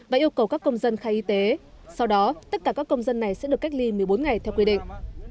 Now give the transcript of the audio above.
và yêu cầu các công dân khai y tế sau đó tất cả các công dân này sẽ được cách ly một mươi bốn ngày theo quy định